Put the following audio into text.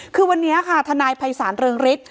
คือวันนี้ค่ะทนายภัยศาลเรืองฤทธิ